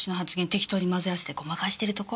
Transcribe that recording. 適当に混ぜ合わせてごまかしてるとこ。